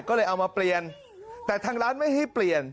ก็เลยเอามาเปลี่ยนแต่ทางร้านไม่ให้เปลี่ยน